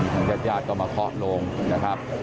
ทางเก็บย่าดก็มาเคาะลงนะครับ